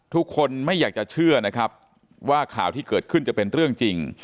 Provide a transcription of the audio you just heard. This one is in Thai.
ทุกคนไม่อยากจะเชื่อนะครับว่าข่าวที่เกิดขึ้นจะเป็นเรื่องจริง